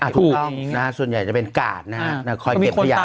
ทุกก้อนส่วนใหญ่จะเป็นกาดนะฮะ